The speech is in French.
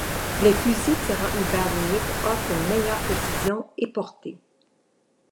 Les fusils tirant une balle unique offrent une meilleure précision et portée.